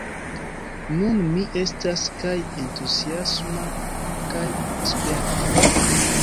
Nun mi estas kaj entuziasma kaj sperta.